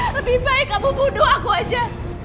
lebih baik kamu bunuh aku aja